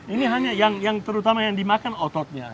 ini hanya yang terutama yang dimakan ototnya